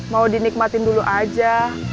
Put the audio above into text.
mau dinikmatin dulu aja